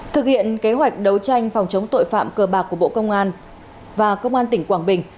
thực hiện kế hoạch đấu tranh phòng chống tội phạm cờ bạc của bộ công an và công an tỉnh quảng bình